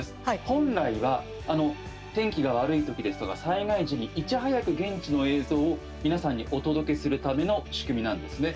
本来は、天気が悪い時ですとか災害時に、いち早く現地の映像を皆さんにお届けするための仕組みなんですね。